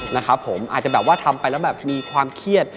นะครับผมอาจจะแบบว่าทำไปแล้วแบบมีความเครียด